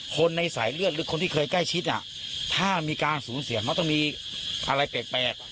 คนในสายเลือดหรือคนที่เคยใกล้ชิดถ้ามีการสูญเสียมันต้องมีอะไรแปลก